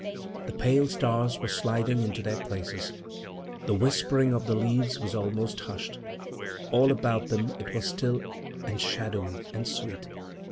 The pale stars were sliding into their places. The whispering of the leaves was almost hushed. All about them it was still and shadowy and sweet.